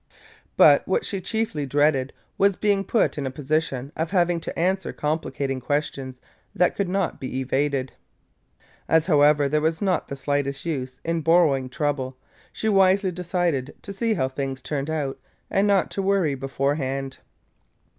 But what she chiefly dreaded was being put in a position of having to answer complicating questions that could not be evaded. As, however, there was not the slightest use in borrowing trouble, she wisely decided to see how things turned out and not to worry beforehand.